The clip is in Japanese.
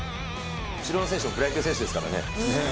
後ろの選手もプロ野球選手ですからね。